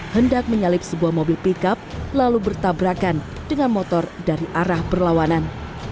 hendak menyalip sebuah mobil pickup lalu bertabrakan dengan motor dari arah berlawanan